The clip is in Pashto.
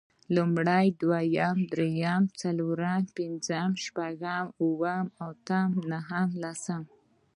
لومړی، دويم، درېيم، څلورم، پنځم، شپږم، اووم، اتم، نهم، لسم